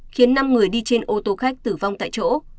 khiến năm người đi trên ô tô khách tử vong tại chỗ